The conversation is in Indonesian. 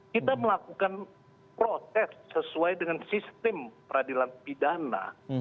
kita melakukan proses sesuai dengan sistem peradilan pidana